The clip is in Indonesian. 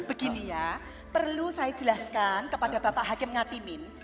begini ya perlu saya jelaskan kepada bapak hakim ngatimin